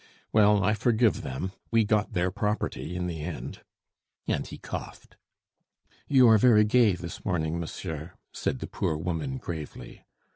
"Well, I forgive them; we got their property in the end." And he coughed. "You are very gay this morning, monsieur," said the poor woman gravely.